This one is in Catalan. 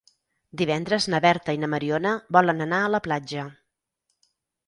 Divendres na Berta i na Mariona volen anar a la platja.